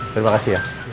terima kasih ya